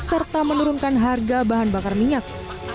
serta menurunkan harga bahan bakar minyak